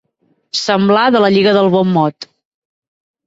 Semblar de la lliga del bon mot.